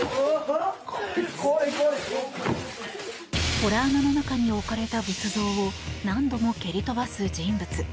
ほら穴の中に置かれた仏像を何度も蹴り飛ばす人物。